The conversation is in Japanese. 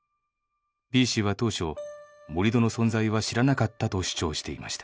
Ｂ氏は当初「盛り土の存在は知らなかった」と主張していました。